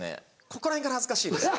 ここら辺から恥ずかしいです。